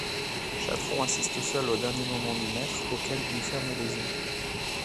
Chatron assiste seul aux derniers moments du maître auquel il ferme les yeux.